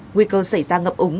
nguy cơ xảy ra ngập ống